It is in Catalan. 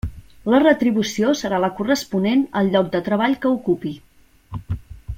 La retribució serà la corresponent al lloc de treball que ocupi.